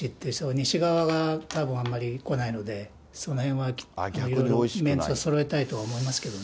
西側がたぶんあんまり来ないので、そのへんは、そういうメンツはそろえたいと思いますけどね。